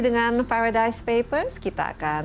dengan paradise papers kita akan